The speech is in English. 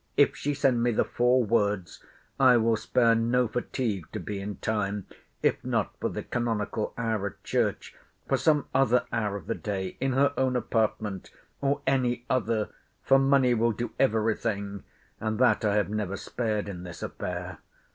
If she send me the four words, I will spare no fatigue to be in time, if not for the canonical hour at church, for some other hour of the day in her own apartment, or any other: for money will do every thing: and that I have never spared in this affair.